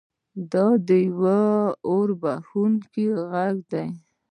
دا یو اورښیندونکی غر دی.